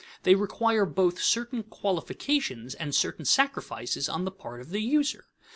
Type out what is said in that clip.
They require both certain qualifications and certain sacrifices on the part of the user.